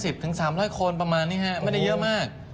ถึง๓๐๐คนประมาณนี้ฮะไม่ได้เยอะมาก